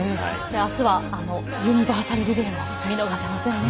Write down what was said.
あすはユニバーサルリレーも見逃せませんね。